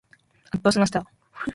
圧倒しました。